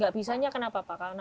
gak bisa nya kenapa pak